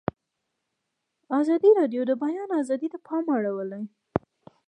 ازادي راډیو د د بیان آزادي ته پام اړولی.